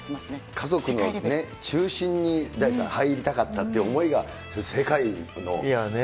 家族の中心に、大地さん、入りたかったっていう思いが世界のね。